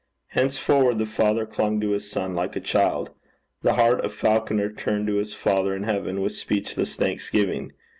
Henceforward the father clung to his son like a child. The heart of Falconer turned to his Father in heaven with speechless thanksgiving.